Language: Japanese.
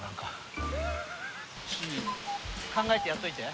考えてやっといて。